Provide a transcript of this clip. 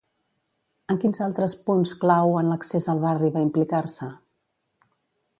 En quins altres punts clau en l'accés al barri va implicar-se?